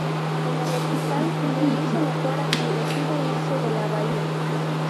En el hospital Lily se mejora y decide irse de la bahía.